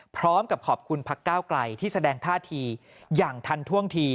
พร้อมกับขอบคุณพักก้าวไกลที่แสดงท่าทีอย่างทันท่วงที